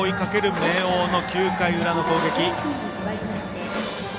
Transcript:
明桜の９回の裏の攻撃。